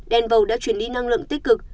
denval đã chuyển đi năng lượng tích cực